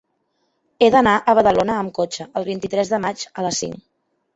He d'anar a Badalona amb cotxe el vint-i-tres de maig a les cinc.